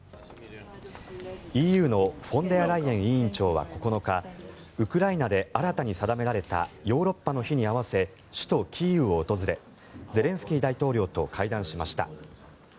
ＥＵのフォンデアライエン委員長は９日ウクライナで新たに定められたヨーロッパの日に合わせ首都キーウを訪れゼレンスキー大統領と会談しました。